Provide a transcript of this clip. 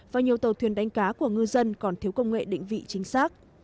và nhiều tàu thuyền đánh cá của ngư dân còn thiếu công nghệ định vị chính xác